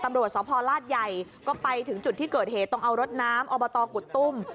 ตำรวจสภรรรดิ์ราชใหญ่ก็ไปถึงจุดที่เกิดเหตุต้องเอารถน้ำเอาบัตรอกุศตุ้ม